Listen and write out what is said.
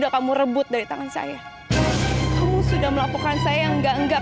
kamu bohong sama aku kan san